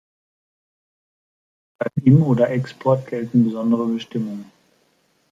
Beim Im- oder Export gelten besondere Bestimmungen.